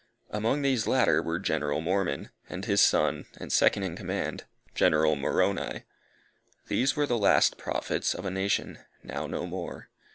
Among these latter were General Mormon, and his son, and second in command General Moroni. These were the last Prophets of a nation, now no more.